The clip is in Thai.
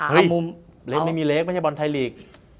เฮ้ยไม่มีเลขไม่ใช่บอลไทยลีค